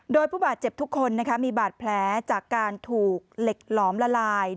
โดยผู้บาดเจ็บทุกคนมีบาดแผลจากการถูกเหล็กหลอมละลาย